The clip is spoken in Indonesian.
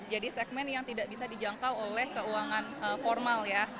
jadi segmen yang tidak bisa dijangkau oleh keuangan formal ya